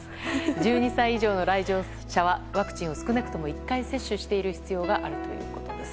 １２歳以上の来場者はワクチンを少なくとも１回接種している必要があるということです。